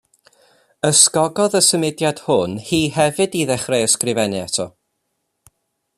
Ysgogodd y symudiad hwn hi hefyd i ddechrau ysgrifennu eto.